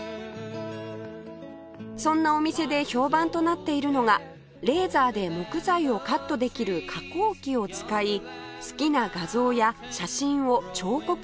そんなお店で評判となっているのがレーザーで木材をカットできる加工機を使い好きな画像や写真を彫刻してくれるサービス